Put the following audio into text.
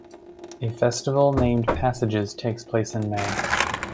A festival named "passages" takes place in May.